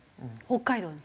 北海道に。